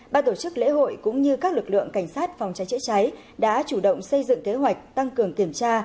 ba tổ chức lễ hội cũng như các lực lượng cảnh sát phòng cháy chữa cháy đã chủ động xây dựng kế hoạch tăng cường kiểm tra